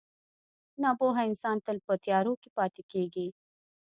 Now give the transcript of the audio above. • ناپوهه انسان تل په تیارو کې پاتې کېږي.